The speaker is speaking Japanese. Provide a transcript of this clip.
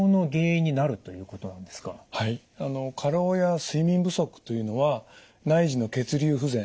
あの過労や睡眠不足というのは内耳の血流不全